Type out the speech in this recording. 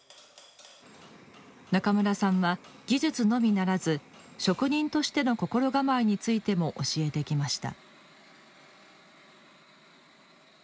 中村さんは技術のみならず職人としての心構えについても教えてきました